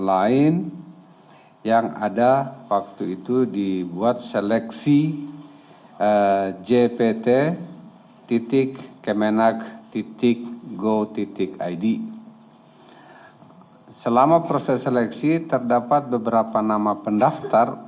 dan yang keenam s supir dari mfq